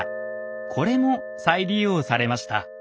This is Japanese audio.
これも再利用されました。